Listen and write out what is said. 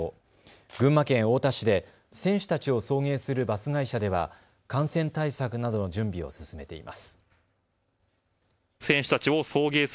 群馬県太田市で選手たちを送迎するバス会社では感染対策などの準備を進めています。